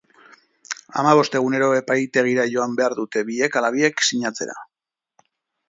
Hamabost egunero epaitegira joan behar dute biek ala biek sinatzera.